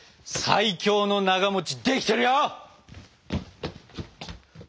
最強のなができてるよ！